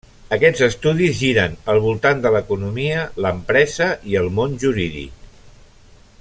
Aquests estudis giren al voltant de l'economia, l'empresa i el món jurídic.